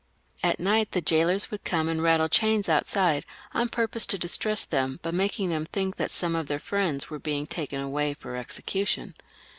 At night the jailors would come and rattle chains outside on purpose to distress them by making them think that some of their friends were being taken away for execution.